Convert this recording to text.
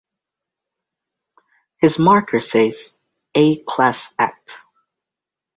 His marker says, A Class Act.